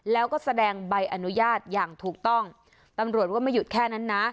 แล้วก็แสดงใบอนุญาตอย่างถูกต้องตำรวจว่าไม่หยุดแค่นั้นนะ